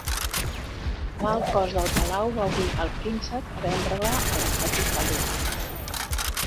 L'alt cost del palau va obligar el príncep a vendre-la a l'Estat italià.